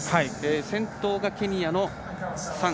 先頭がケニアのサン。